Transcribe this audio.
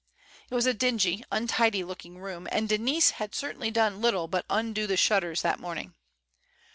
It was a dingy, un tidy looking room, and Denise had certainly done little but undo the shutters that morning.